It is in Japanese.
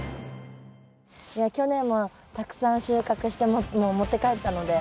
いや去年もたくさん収穫してもう持って帰ったので。